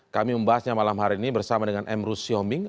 kami membahasnya malam hari ini bersama dengan emru syoming